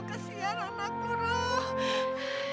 kesian anakku roh